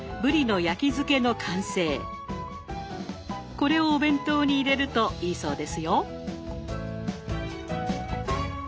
これをお弁当に入れるといいそうですよ。